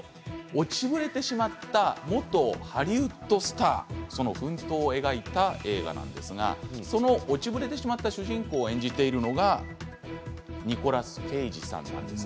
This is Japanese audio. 落ちぶれてしまった元ハリウッドスターの奮闘を描いた映画なんですがその落ちぶれてしまった主人公を演じているのがニコラス・ケイジさんなんです。